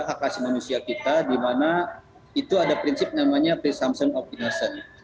aklasi manusia kita di mana itu ada prinsip namanya presumption of innocence